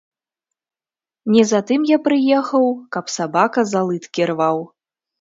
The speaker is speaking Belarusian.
Не за тым я прыехаў, каб сабака за лыткі рваў.